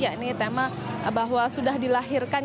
ya ini tema bahwa sudah dilahirkan